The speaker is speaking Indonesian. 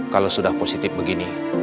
kalau sudah positif begini